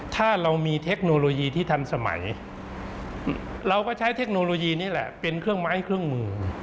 ถ้าเรามีเทคโนโลยีที่ทันสมัยเราก็ใช้เทคโนโลยีนี่แหละเป็นเครื่องไม้เครื่องมือ